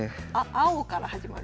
青から始まる。